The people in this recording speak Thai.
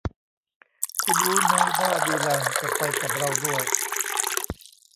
คุณรู้มั้ยว่าดีแลนจะไปกับเราด้วย